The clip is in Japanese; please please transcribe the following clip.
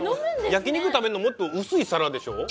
焼き肉食べるのもっと薄い皿でしょ？